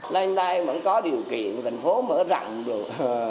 lên đây vẫn có điều kiện thành phố mở rộng được